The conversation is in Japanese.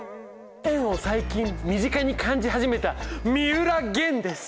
円を最近身近に感じ始めた三浦玄です！